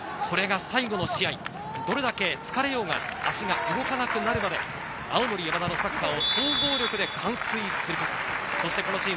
これが最後の試合、どれだけ疲れようが足が動かなくなるまで青森山田のサッカーを総合力で完遂すること。